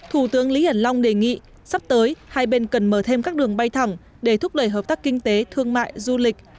thủ tướng lý hiển long đề nghị sắp tới hai bên cần mở thêm các đường bay thẳng để thúc đẩy hợp tác kinh tế thương mại du lịch